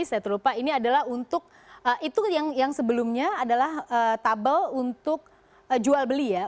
saya terlupa ini adalah untuk itu yang sebelumnya adalah tabel untuk jual beli ya